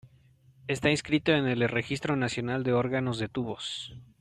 Está inscrito en el Registro Nacional de Órganos de Tubos.